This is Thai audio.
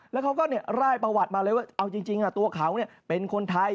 แล้วเขาก็ไล่ประวัติมาเลยว่าเอาจริงตัวเขาเป็นคนไทย